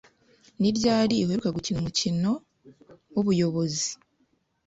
Ni ryari uheruka gukina umukino wubuyobozi?